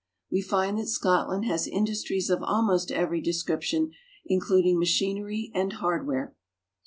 We find that Scotland has industries of almost every de scription, including machinery and hardware.